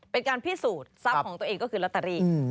เป็นการพิสูจน์ทรัพย์ของตัวเองก็คือลอตเตอรี่